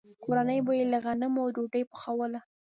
کورنۍ به یې له غنمو ډوډۍ پخوله.